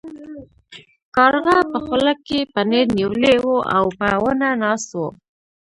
کارغه په خوله کې پنیر نیولی و او په ونه ناست و.